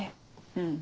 うん。